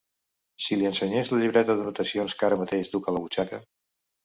Si li ensenyés la llibreta d'anotacions que ara mateix duc a la butxaca.